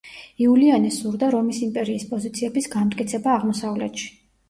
იულიანეს სურდა რომის იმპერიის პოზიციების განმტკიცება აღმოსავლეთში.